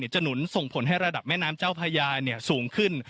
หนุนส่งผลให้ระดับแม่น้ำเจ้าพญาสูงขึ้น